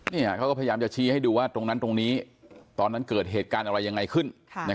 เขาก็พยายามจะชี้ให้ดูว่าตรงนั้นตรงนี้ตอนนั้นเกิดเหตุการณ์อะไรยังไงขึ้น